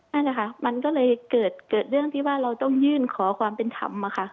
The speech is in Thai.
นั่นแหละค่ะมันก็เลยเกิดเรื่องที่ว่าเราต้องยื่นขอความเป็นธรรมอะค่ะ